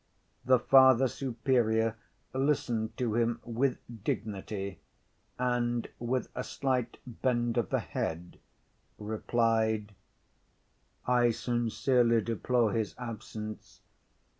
The Father Superior listened to him with dignity, and, with a slight bend of the head, replied: "I sincerely deplore his absence.